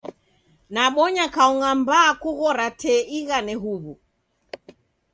Nabonya kaung'a mbaa kughora tee ighane huw'u!